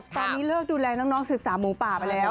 ตอนนี้เลิกดูแลน้องศึกษาหมูป่าไปแล้ว